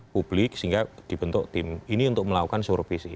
publik sehingga dibentuk tim ini untuk melakukan survei